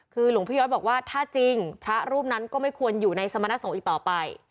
คือหลวงพี่ย้อยบอกว่าถ้าจริงพระรูปนั้นก็ไม่ควรอยู่ในสมณสงฆ์อีกต่อไป